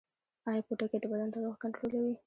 ایا پوټکی د بدن تودوخه کنټرولوي؟